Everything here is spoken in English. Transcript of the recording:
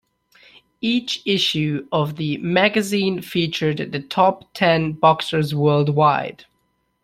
Each issue of the magazine featured the top ten boxers worldwide.